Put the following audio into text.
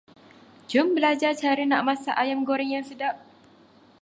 Jom berlajar cara nak masak ayam goreng yang sedap.